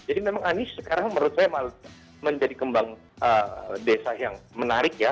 jadi memang anies sekarang menurut saya menjadi kembang desa yang menarik ya